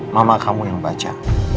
mama kamu yang baca